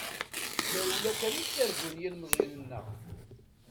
D tarewla kan i ttargun yilemẓiyen-nneɣ.